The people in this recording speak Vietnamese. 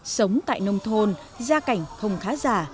sống tại nông thôn da cảnh thông khá già